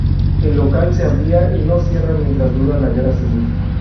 El local se amplía y no cierra mientras dura la guerra civil.